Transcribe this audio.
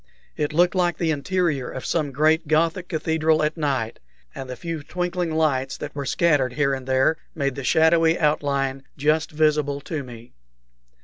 It looked like the interior of some great Gothic cathedral at night, and the few twinkling lights that were scattered here and there made the shadowy outline just visible to me.